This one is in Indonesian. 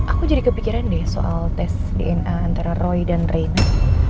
aku jadi kepikiran deh soal tes dna antara roy dan raini